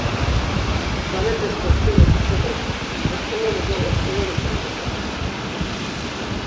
Gzalepes goxtimu diçodaşi, oç̌ǩomoni do osteroni ç̌anda qvasenan.